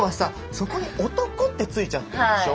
そこに男ってついちゃってるでしょ。